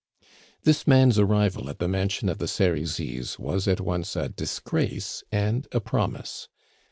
This man's arrival at the mansion of the Serizys was at once a disgrace and a promise.